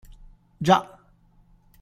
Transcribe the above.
Già!